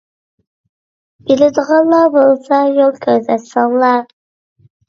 بىلىدىغانلار بولسا يول كۆرسەتسەڭلار.